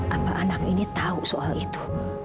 apa anak ini tahu soal itu